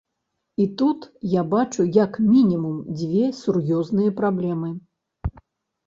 І тут я бачу як мінімум дзве сур'ёзныя праблемы.